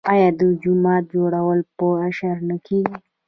آیا د جومات جوړول په اشر نه کیږي؟